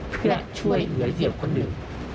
เพื่อช่วยเหยื่อเหยื่อคนอื่น